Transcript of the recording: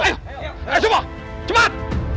ayo semua cepat